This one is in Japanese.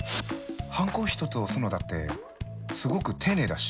ハンコ一つ押すのだってすごく丁寧だし。